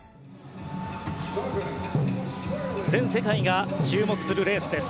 全世界が注目するレースです。